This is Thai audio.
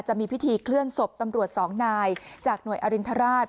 จะมีพิธีเคลื่อนศพตำรวจสองนายจากหน่วยอรินทราช